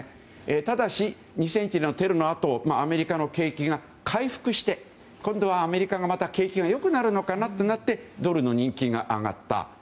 ただし、２００１年のテロのあとアメリカの景気が回復して今度はアメリカがまた景気が良くなるのかなとなってドルの人気が上がった。